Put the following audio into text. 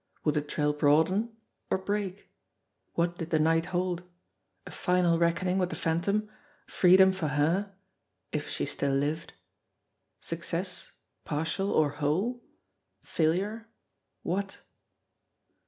Would the trail broaden or break ? What did the night hold ? A final reckoning with the Phantom ? Freedom for her if she still lived? Success, partial or whole? Failure? What?